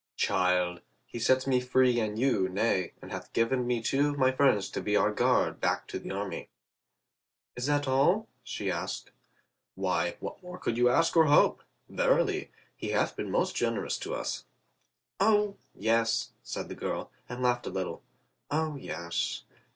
"Child, he sets me free and you, nay, and hath given me two of my friends to be our guard back to the army." "Is that all?" she said. "Why, what more could we ask or hope? Verily, he hath been most generous unto us." "O, yes," said the girl, ,and laughed a little. "O, yes."